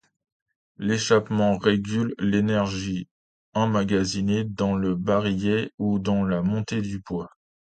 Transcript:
L'échappement régule l'énergie emmagasinée dans le barillet ou dans la montée du poids.